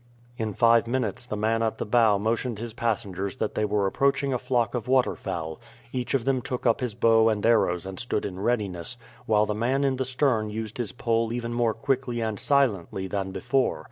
In five minutes the man at the bow motioned his passengers that they were approaching a flock of waterfowl. Each of them took up his bow and arrows and stood in readiness, while the man in the stern used his pole even more quickly and silently than before.